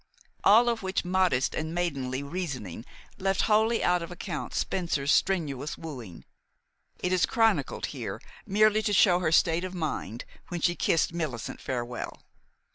All of which modest and maidenly reasoning left wholly out of account Spencer's strenuous wooing; it is chronicled here merely to show her state of mind when she kissed Millicent farewell.